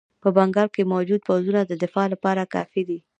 په بنګال کې موجود پوځونه د دفاع لپاره کافي دي.